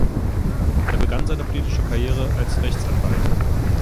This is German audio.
Er begann seine politische Karriere als Rechtsanwalt.